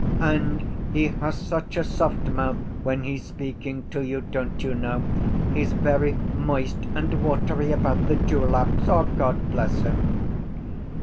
—And he has such a soft mouth when he’s speaking to you, don’t you know. He’s very moist and watery about the dewlaps, God bless him.